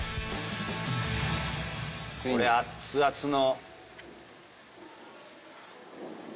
これ熱々の。